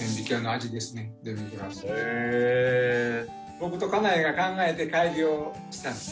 僕と家内が考えて改良したんです。